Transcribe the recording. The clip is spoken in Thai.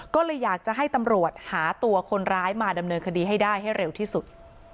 ก็เลยอยากจะให้ตำรวจหาตัวคนร้ายมาดำเนินคดีให้ได้ให้เร็วที่สุด